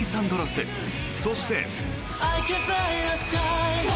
そして。